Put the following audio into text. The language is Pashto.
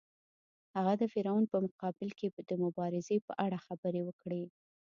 هغه د فرعون په مقابل کې د مبارزې په اړه خبرې وکړې.